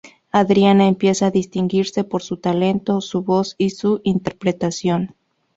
Adriana empieza a distinguirse por su talento, su voz y su interpretación.